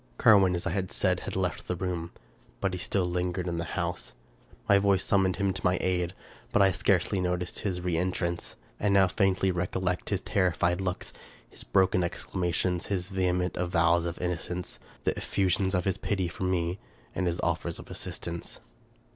Carwin, as I said, had left the room; but he still lin gered in the house. My voice summoned him to my aid; 302 Charles Brockdcn Broivn but I scarcely noticed his reentrance, and now faintly recollect his terrified looks, his broken exclamations, his vehement avowals of innocence, the effusions of his pity for me, and his offers of assistance.